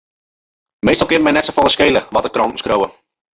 Meastal kin it my net safolle skele wat de kranten skriuwe.